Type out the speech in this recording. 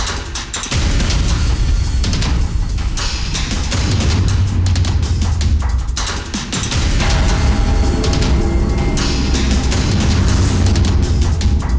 aku sampai sampai aku masih di luar kyoranya